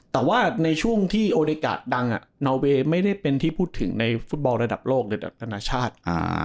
แต่ว่าในช่วงที่โอริกาดังนอเวย์ไม่ได้เป็นที่พูดถึงในฟุตบอลระดับโลกระดับนานาชาติ